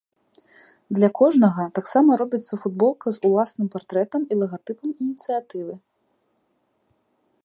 Для кожнага таксама рабіцца футболка з уласным партрэтам і лагатыпам ініцыятывы.